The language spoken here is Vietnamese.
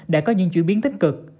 đã có những chuyển biến tích cực